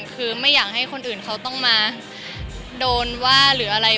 คือไม่อยากให้คนอื่นเขาต้องมาโดนว่าหรืออะไร